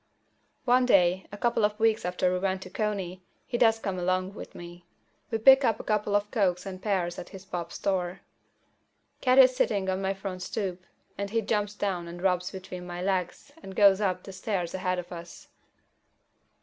One day, a couple of weeks after we went to Coney, he does come along with me. We pick up a couple of cokes and pears at his pop's store. Cat is sitting on my front stoop, and he jumps down and rubs between my legs and goes up the stairs ahead of us.